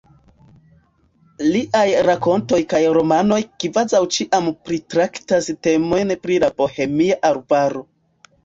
Liaj rakontoj kaj romanoj kvazaŭ ĉiam pritraktas temojn pri la Bohemia Arbaro.